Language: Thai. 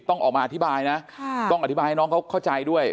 ต้องออกมาอธิบายนะต้องอธิบายให้น้องเขาเข้าใจด้วย